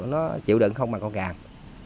nó chịu đựng không mà con càng